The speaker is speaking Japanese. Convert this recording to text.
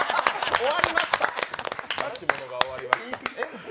出し物が終わりました。